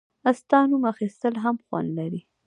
• ستا نوم اخیستل هم خوند لري.